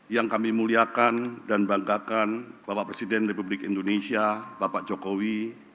yang kami muliakan dan banggakan bapak presiden republik indonesia bapak jokowi